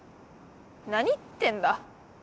なに言ってんだ？